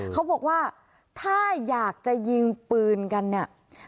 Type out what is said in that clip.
เขาบอกว่าถ้าอยากจะยิงปืนกันเนี่ย